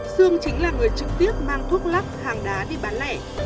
sương chính là người trực tiếp mang thuốc lắc hàng đá đi bán lẻ